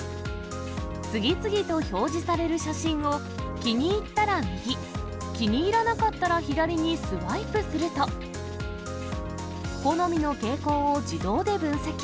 次々と表示される写真を、気に入ったら右、気に入らなかったら左にスワイプすると、好みの傾向を自動で分析。